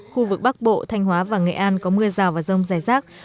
khu vực bắc bộ thanh hóa và nghệ an có mưa rào và rông dài rác